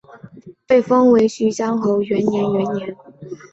元延元年刘快被封为徐乡侯。